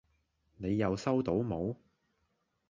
你又收到冇